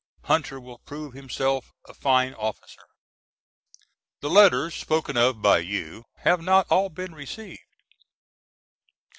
Hunter will prove himself a fine officer. The letters spoken of by you have not all been received.